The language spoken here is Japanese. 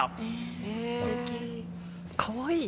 かわいい。